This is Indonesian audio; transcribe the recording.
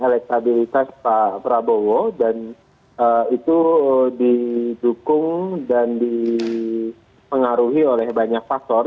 elektabilitas pak prabowo dan itu didukung dan dipengaruhi oleh banyak faktor